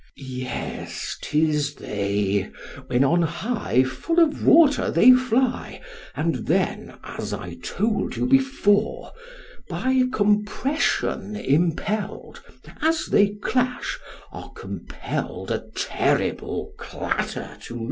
Yes, 'tis they, when on high full of water they fly, and then, as I told you before, By compression impelled, as they clash, are compelled a terrible clatter to make.